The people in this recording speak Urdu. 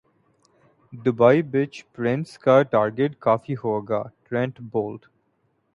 دبئی پچ پر رنز کا ٹارگٹ کافی ہو گا ٹرینٹ بولٹ